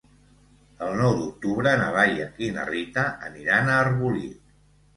El nou d'octubre na Laia i na Rita aniran a Arbolí.